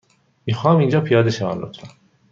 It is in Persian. می خواهم اینجا پیاده شوم، لطفا.